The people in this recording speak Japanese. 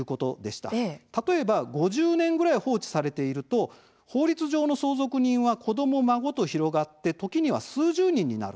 例えば、５０年ぐらい放置されていると法律上の相続人は子ども、孫と広がって時には数十人になる。